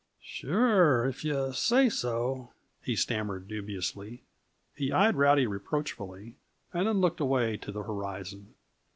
"Sure, if yuh say so," he stammered dubiously. He eyed Rowdy reproachfully, and then looked away to the horizon.